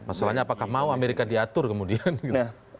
masalahnya apakah mau amerika diatur kemudian gitu